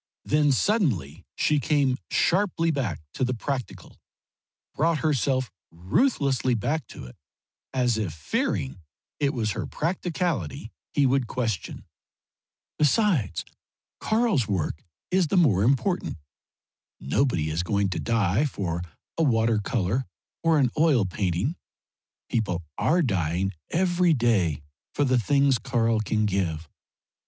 Then suddenly she came sharply back to the practical, brought herself ruthlessly back to it, as if fearing it was her practicality he would question. "Besides, Karl's work is the more important. Nobody is going to die for a water colour or an oil painting; people are dying every day for the things Karl can give.